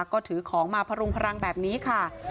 ก็ถือของมาพรุงพลังแบบนี้ค่ะ